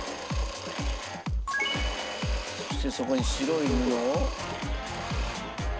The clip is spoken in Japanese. そしてそこに白い布を。